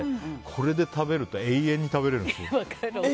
これで食べると永遠に食べられるんです。